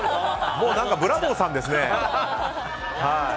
もう、ブラボーさんですね。